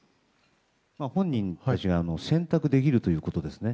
本人たちが選択できるということですね。